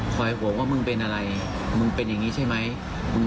ห่วงว่ามึงเป็นอะไรมึงเป็นอย่างนี้ใช่ไหม